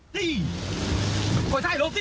นี่ปล่อยท่าให้ลบสิ